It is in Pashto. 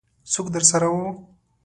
څوک درسره وو؟